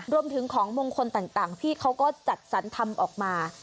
รวมถึงของมงคลต่างที่เขาก็จัดสรรทำออกมา